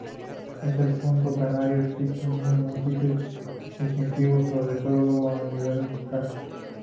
En el punto canario existen unos matices distintivos, sobre todo a nivel musical.